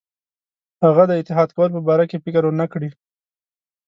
هغه د اتحاد کولو په باره کې فکر ونه کړي.